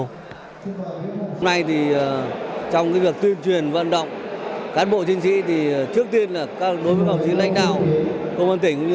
hôm nay trong việc tuyên truyền vận động cán bộ chiến sĩ trước tiên đối với bảo chí lãnh đạo công an tỉnh